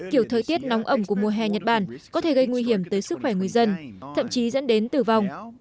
kiểu thời tiết nóng ẩm của mùa hè nhật bản có thể gây nguy hiểm tới sức khỏe người dân thậm chí dẫn đến tử vong